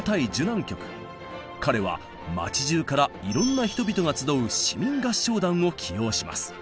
彼は町じゅうからいろんな人々が集う市民合唱団を起用します。